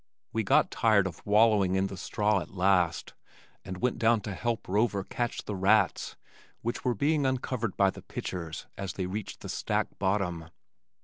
We got tired of wallowing in the straw at last, and went down to help Rover catch the rats which were being uncovered by the pitchers as they reached the stack bottom.